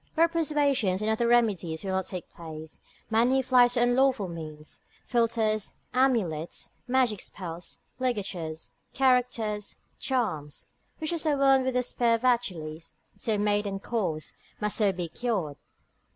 Where persuasions and other remedies will not take place, many fly to unlawful means, philters, amulets, magic spells, ligatures, characters, charms, which as a wound with the spear of Achilles, if so made and caused, must so be cured.